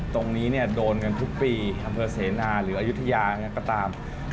ตรงนี้โดนเงินทุกปีอำเภอเสนาหรืออยุธยาอย่างนั้นก็ตาม